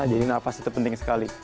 jadi nafas itu penting sekali